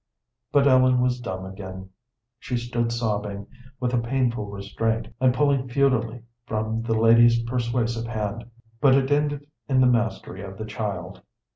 But Ellen was dumb again. She stood sobbing, with a painful restraint, and pulling futilely from the lady's persuasive hand. But it ended in the mastery of the child.